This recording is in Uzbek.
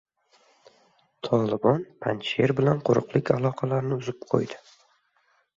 “Tolibon” Panjsher bilan quruqlik aloqalarini uzib qo‘ydi